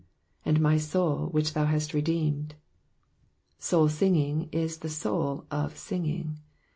^'Andmy soul, which thou hast redeemed.'''' Soul singing is the soul of singing.